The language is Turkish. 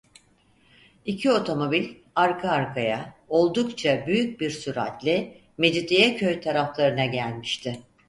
İki otomobil, arka arkaya, oldukça büyük bir süratle Mecidiyeköy taraflarına gelmişti.